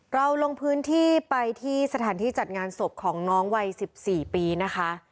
เราลงพื้นที่ไปที่สถานที่จัดงานศพของน้องวัย๑๔ปีนะคะ